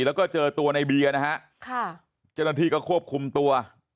แล้วก็เจอตัวในเบียร์นะฮะจนาทีก็ควบคุมตัว